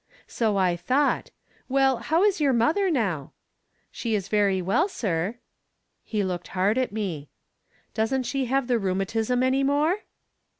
" So I thought. "Well, how is your mother, now ?"" She is very well, sir." He looked hard at me. " Doesn't she have the rheumatism any more